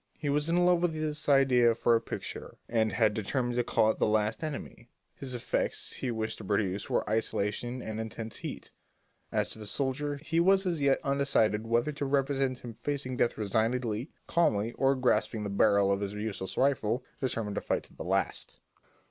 He was in love with this idea for a picture and had determined to call it "The Last Enemy." The effects he wished to produce were isolation and intense heat; as to the soldier, he was as yet undecided whether to represent him facing death resignedly, calmly, or grasping the barrel of his useless rifle, determined to fight to the last.